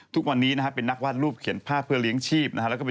ทุกวันนี้นะฮะเป็นนักวาดรูปเขียนภาพเพื่อเลี้ยงชีพนะฮะ